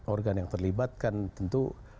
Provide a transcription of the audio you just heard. organ yang terlibatkan tentu